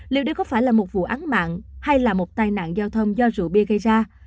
liệu đây có phải là một vụ án mạng hay là một tai nạn giao thông do rượu bia gây ra